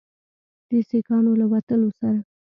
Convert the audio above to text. د سیکانو له وتلو سره